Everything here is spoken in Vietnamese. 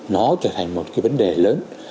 nó trở thành một cái vấn đề lớn